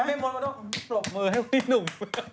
ลบมือให้พี่หนุ่ม